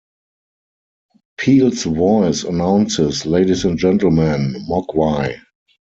Peel's voice announces Ladies and Gentlemen, Mogwai!